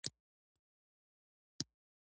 ونې سا راکوي.